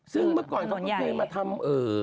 ซึ่งเมื่อก่อนเขามีเพลงมาทำ